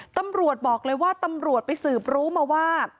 ตำรวจบอกเลยว่าตำรวจไปสืบรู้มาว่า